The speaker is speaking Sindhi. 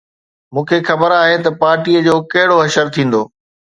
مون کي خبر آهي ته پارٽيءَ جو ڪهڙو حشر ٿيندو